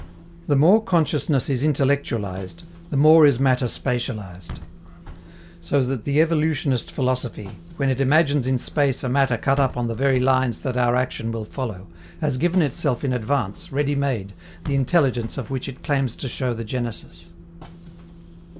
The more consciousness is intellectualized, the more is matter spatialized. So that the evolutionist philosophy, when it imagines in space a matter cut up on the very lines that our action will follow, has given itself in advance, ready made, the intelligence of which it claims to show the genesis.